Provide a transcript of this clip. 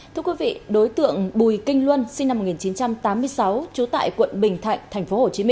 thưa quý vị đối tượng bùi kinh luân sinh năm một nghìn chín trăm tám mươi sáu trú tại quận bình thạnh tp hcm